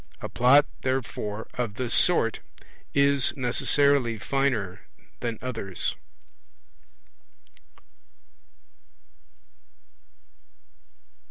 A Plot, therefore, of this sort is necessarily finer than others.